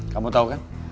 kamu tau kan